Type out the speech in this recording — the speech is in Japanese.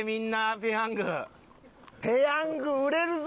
ペヤング売れるぞこれ！